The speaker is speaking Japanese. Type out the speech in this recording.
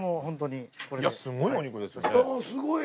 すごいお肉ですよね。